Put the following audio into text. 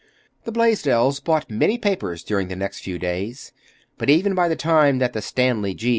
The Blaisdells bought many papers during the next few days. But even by the time that the Stanley G.